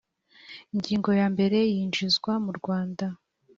ingingo ya mbere iyinjizwa mu rwanda